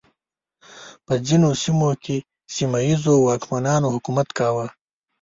په ځینو سیمو کې سیمه ییزو واکمنانو حکومت کاوه.